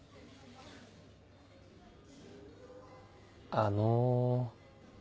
あの。